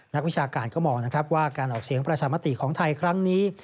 วิชาการก็มองนะครับว่าการออกเสียงประชามติของไทยครั้งนี้